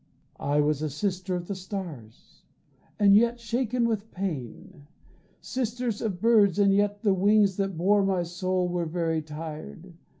I was a sister of the stars, and yet Shaken with pain; sister of birds and yet The wings that bore my soul were very tired.